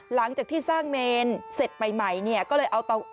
หลังจากที่สร้างเมนเสร็จใหม่เนี่ยก็เลยเอาเตา